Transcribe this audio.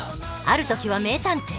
ある時は名探偵。